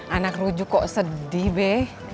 anak rujuk kok sedih deh